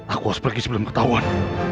aku harus pergi sebelum ketahuan